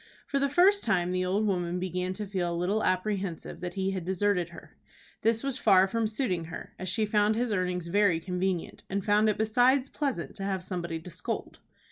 For the first time the old woman began to feel a little apprehensive that he had deserted her. This was far from suiting her, as she found his earnings very convenient, and found it besides pleasant to have somebody to scold.